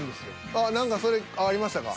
ああ何かそれありましたか？